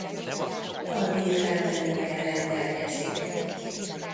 Algír felmenőkkel rendelkezik.